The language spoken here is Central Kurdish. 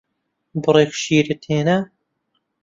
بڕێک شیرت هێنا؟